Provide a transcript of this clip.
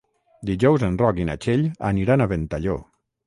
Dijous en Roc i na Txell aniran a Ventalló.